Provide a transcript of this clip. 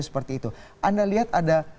seperti itu anda lihat ada